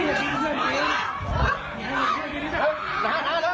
ตายป่าหายไป